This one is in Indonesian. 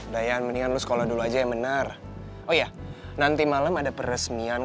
dayan mendingan lu sekolah dulu aja ya bener oh ya nanti malam ada peresmian